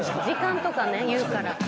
時間とかね言うから。